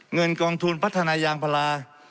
เงินกองทุนพัฒนายางพลา